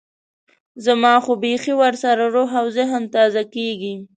زما خو بيخي ورسره روح او ذهن تازه کېږي.